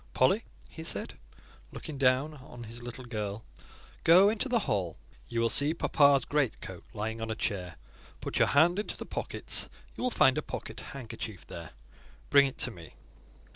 "Polly," he said, looking down on his little girl, "go into the hall; you will see papa's great coat lying on a chair; put your hand into the pockets, you will find a pocket handkerchief there; bring it to me."